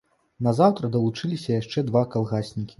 Назаўтра далучыліся яшчэ два калгаснікі.